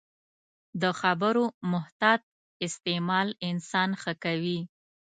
د خبرو محتاط استعمال انسان ښه کوي